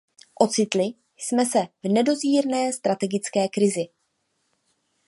Ocitli jsme se v nedozírné strategické krizi.